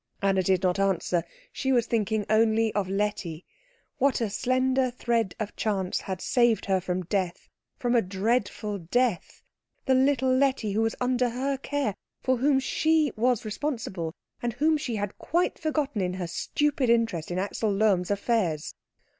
Anna did not answer. She was thinking only of Letty. What a slender thread of chance had saved her from death, from a dreadful death, the little Letty who was under her care, for whom she was responsible, and whom she had quite forgotten in her stupid interest in Axel Lohm's affairs.